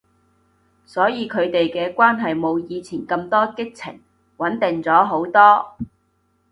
所以佢哋嘅關係冇以前咁多激情，穩定咗好多